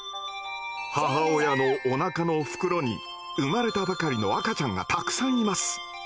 母親のおなかの袋に生まれたばかりの赤ちゃんがたくさんいます。